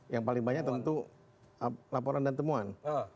yang paling banyak tentu laporan dan temuan